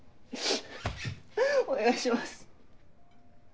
お願いします。